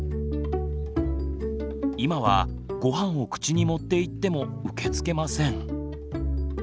今はごはんを口に持っていっても受け付けません。